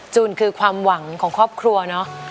จูนคือความหวังของครอบครัวเนอะ